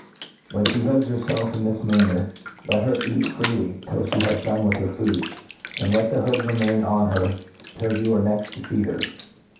When ihe hoods herfdf in this manner^ let her eat fredy till (he has done with her food { and let the hoQd remain on her t^U you are next to feed her.